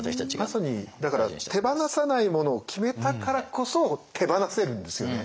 まさに手放さないものを決めたからこそ手放せるんですよね。